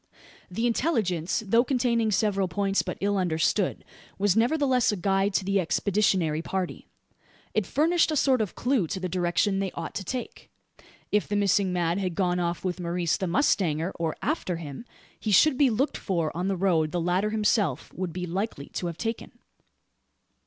The intelligence, though containing several points but ill understood, was nevertheless a guide to the expeditionary party. It furnished a sort of clue to the direction they ought to take. If the missing man had gone off with Maurice the mustanger, or after him, he should be looked for on the road the latter himself would be likely to have taken.